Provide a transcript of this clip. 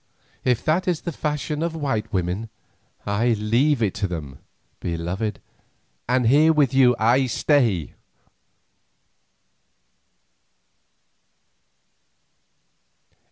If that is the fashion of white women, I leave it to them, beloved, and here with you I stay."